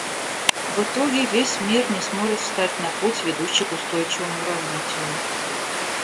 В итоге весь мир не сможет встать на путь, ведущий к устойчивому развитию.